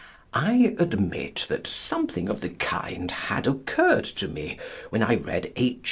I admit that something of the kind had occurred to me when I read "H.'